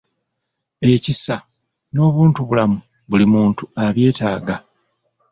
Ekisa n'obuntubulamu buli muntu abyetaaga.